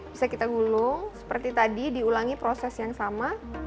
bisa kita gulung seperti tadi diulangi proses yang sama